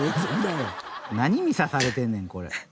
何見さされてんねんこれ。